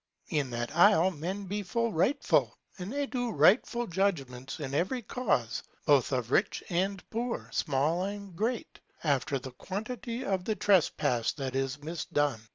In that isle men be full rightfull and they do rightfull judgments in every cause both of rich and poor, small and great, after the quantity of the trespass that is mis done.